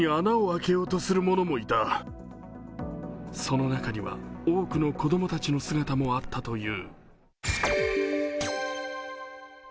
その中には多くの子供たちの姿もあったという。